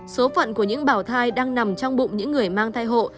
số phận của những bảo thai đang nằm trong bụng những người mang thai hộ